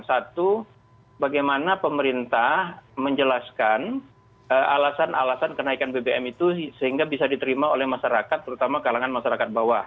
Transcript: satu bagaimana pemerintah menjelaskan alasan alasan kenaikan bbm itu sehingga bisa diterima oleh masyarakat terutama kalangan masyarakat bawah